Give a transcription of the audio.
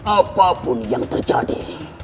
apapun yang terjadi